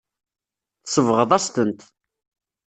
Tsebɣeḍ-as-tent.